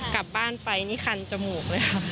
กลับบ้านไปนี่คันจมูกเลยค่ะ